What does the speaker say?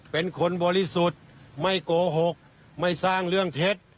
เป็นคนบริสุทธิ์ไม่โกหกไม่สร้างเรื่องเท็จ